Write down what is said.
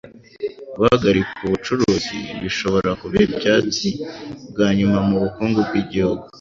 Guhagarika ubucuruzi bishobora kuba ibyatsi byanyuma mubukungu bwigihugu